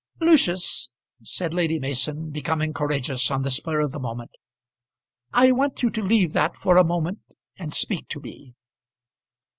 "Lucius," said Lady Mason, becoming courageous on the spur of the moment, "I want you to leave that for a moment and speak to me."